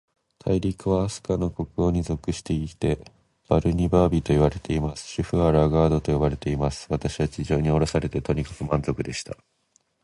大陸は、飛島の国王に属していて、バルニバービといわれています。首府はラガードと呼ばれています。私は地上におろされて、とにかく満足でした。